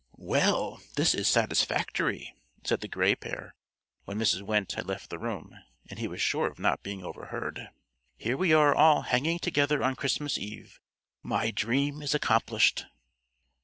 "Well, this is satisfactory," said the Gray Pair, when Mrs. Wendte had left the room, and he was sure of not being overheard. "Here we are all hanging together on Christmas Eve. My dream is accomplished."